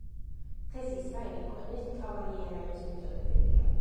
დღეს ისრაელი ქვეყნის მთავარი იარაღის მიმწოდებელია.